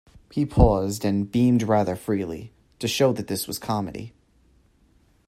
He paused, and beamed rather freely, to show that this was comedy.